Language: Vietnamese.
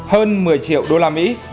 hơn một mươi triệu usd